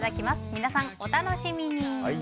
皆さん、お楽しみに。